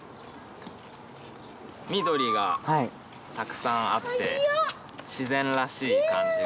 緑がたくさんあって自然らしい感じが。